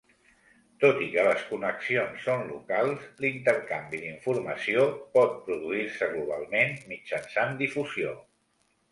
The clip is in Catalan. Tot i que les connexions són locals, l'intercanvi d'informació pot produir-se globalment mitjançant difusió.